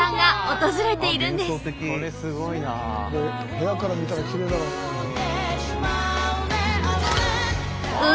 部屋から見たらきれいだろうね。